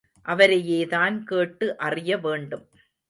அவரையேதான் கேட்டு அறியவேண்டும்.